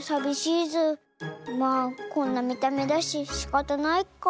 まあこんなみためだししかたないか。